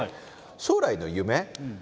将来の夢。